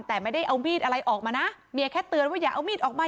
แต่ไม่ได้เอามีดอะไรออกมานะเมียแค่เตือนว่าอย่าเอามีดออกมา